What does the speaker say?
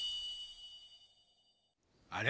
あれ？